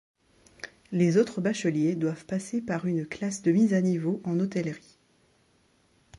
Les autres bacheliers doivent passer par une classe de mise à niveau en hôtellerie.